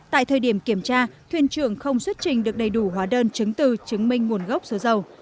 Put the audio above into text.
tại thời điểm kiểm tra thuyền trưởng không xuất trình được đầy đủ hóa đơn chứng từ chứng minh nguồn gốc số dầu